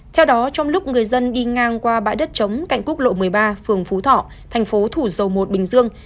theo đó trong lúc người dân đi ngang qua bãi đất chống cạnh quốc lộ một mươi ba phường phú thọ thành phố thủ dầu một bình dương